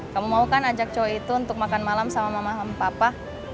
kamu maukan ajak cowok itu untuk makan malam sama mama sama papa